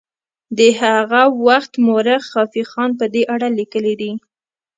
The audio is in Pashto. د هغه وخت مورخ خافي خان په دې اړه لیکلي دي.